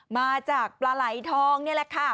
มาจากปลาไหลทองนี่แหละค่ะ